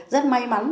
rất may mắn